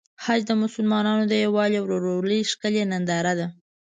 حج د مسلمانانو د یووالي او ورورولۍ ښکلی ننداره ده.